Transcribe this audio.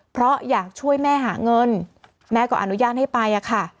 เพราะอยากช่วยแม่หาเงินแม่ก็อนุญาตให้ไปอะค่ะ